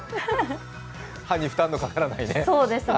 歯に負担のかからないね。